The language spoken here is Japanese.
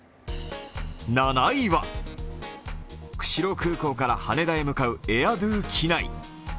７位は釧路空港から羽田へ向かうＡＩＲＤＯ機内。